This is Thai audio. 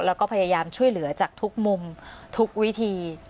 แล้วก็พยายามช่วยเหลือจากทุกมุมทุกวิธี